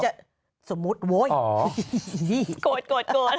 จริงอีบ้า